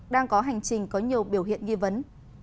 đang có hành trình có nhiều biểu hiện nghi vấn